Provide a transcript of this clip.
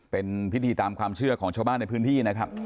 เป็นพิธีตามความเชื่อของชาวบ้านในพื้นที่นะครับ